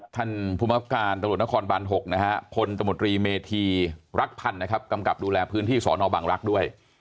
ท่านภูมิภาพการตลอดนครปาล๖คนตมตรีเมธีรักพันธ์นะครับกำกับดูแลพื้นที่สอนอบังรักษ์ด้วย